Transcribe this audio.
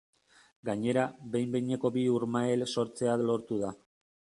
Gainera behin-behineko bi urmael sortzea lortu da.